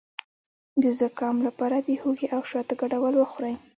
د زکام لپاره د هوږې او شاتو ګډول وخورئ